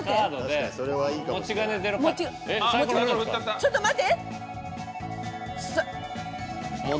ちょっと待って！